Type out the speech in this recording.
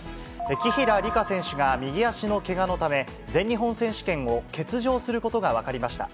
紀平梨花選手が右足のけがのため、全日本選手権を欠場することが分かりました。